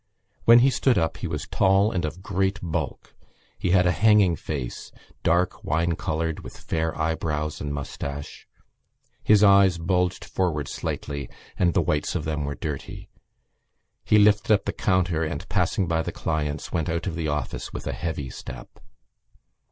When he stood up he was tall and of great bulk. He had a hanging face, dark wine coloured, with fair eyebrows and moustache: his eyes bulged forward slightly and the whites of them were dirty. He lifted up the counter and, passing by the clients, went out of the office with a heavy step.